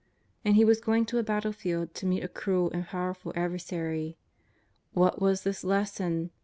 And He was going to a battlefield to meet a cruel and powerful ad versary. What was this lesson?